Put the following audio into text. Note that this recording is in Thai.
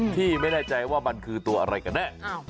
ที่ไม่แน่ใจว่ามันคือตัวอะไรกันแน่